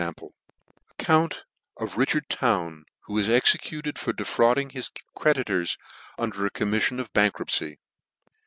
Account of RICHARD TOWN, who was Ex ecuted for Defrauding his Creditors under a Commiflion of Bankruptcy.